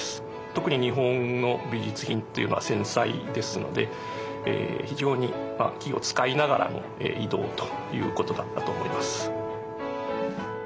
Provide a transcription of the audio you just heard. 特に日本の美術品というのは繊細ですので非常に気を遣いながらの移動ということだったと思います。